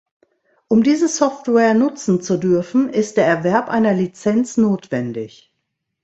Um diese Software nutzen zu dürfen, ist der Erwerb einer Lizenz notwendig.